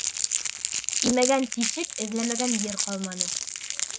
Инмәгән тишек, эҙләмәгән ер ҡалманы.